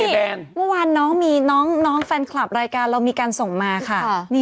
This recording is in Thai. เมื่อวานน้องมีน้องแฟนคลับรายการเรามีการส่งมาค่ะ